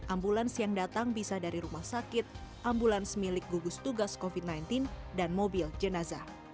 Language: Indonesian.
ambulans yang datang bisa dari rumah sakit ambulans milik gugus tugas covid sembilan belas dan mobil jenazah